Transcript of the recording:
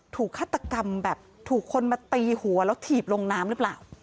ฆาตกรรมแบบถูกคนมาตีหัวแล้วถีบลงน้ำหรือเปล่า